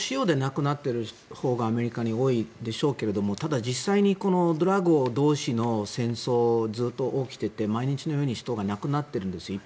麻薬の使用で亡くなっているのはアメリカのほうに多いでしょうが実際にドラッグ同士の戦争が起きていて毎日のように人がなくなっているんですよ。